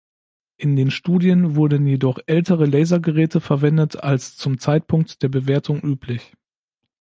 In den Studien wurden jedoch ältere Laser-Geräte verwendet als zum Zeitpunkt der Bewertung üblich.